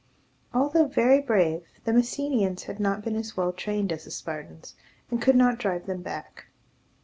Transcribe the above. Although very brave, the Messenians had not been as well trained as the Spartans, and could not drive them back.